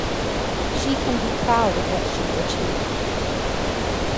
She can be proud of what she’s achieved